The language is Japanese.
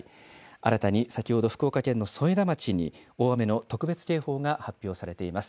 新たに先ほど福岡県の添田町に大雨の特別警報が発表されています。